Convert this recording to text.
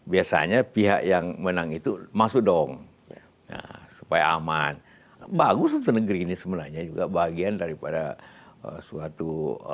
biasanya pihak yang menang itu masuk dong supaya aman bagus untuk negeri ini sebenarnya juga bagian daripada suatu